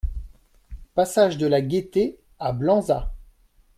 Passage de la Gaité à Blanzat